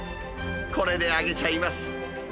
これで揚げちゃいます。